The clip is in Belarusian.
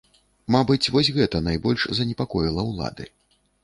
Мабыць, вось гэта найбольш занепакоіла ўлады.